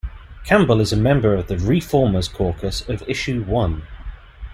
Campbell is a member of the ReFormers Caucus of Issue One.